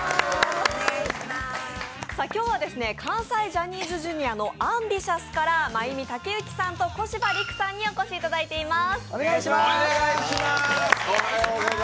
今日は関西ジャニーズＪｒ．のＡｍＢｉｔｉｏｕｓから真弓孟之さんと小柴陸さんにお越しいただいています。